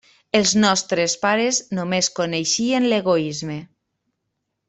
Els nostres pares només coneixien l'egoisme.